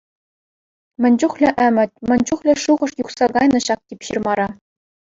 Мӗн чухлӗ ӗмӗт, мӗн чухлӗ шухӑш юхса кайнӑ ҫак тип ҫырмара.